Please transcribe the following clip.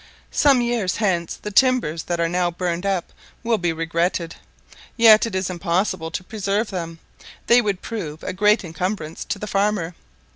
Some years hence the timbers that are now burned up will be regretted. Yet it is impossible to preserve them; they would prove a great encumbrance to the farmer.